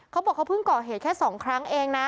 เขาบอกเขาเพิ่งก่อเหตุแค่๒ครั้งเองนะ